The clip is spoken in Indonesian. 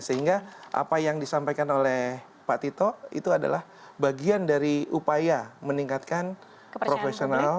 sehingga apa yang disampaikan oleh pak tito itu adalah bagian dari upaya meningkatkan profesional